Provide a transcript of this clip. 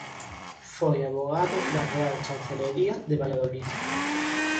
Foi avogado na Real Chancelería de Valladolid.